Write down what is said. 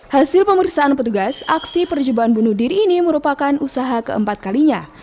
hasil pemeriksaan petugas aksi perjumpaan bunuh diri ini merupakan usaha keempat kalinya